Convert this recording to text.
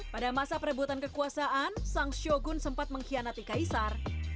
pada masa perebutan kekuasaan sang syogun sempat mengkhianati kaisar